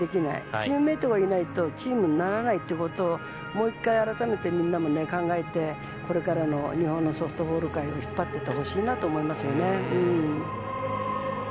チームメートがいないとチームにならないということをもう１回改めてみんなも考えてこれからの日本のソフトボール界を引っ張っていってほしいと思います。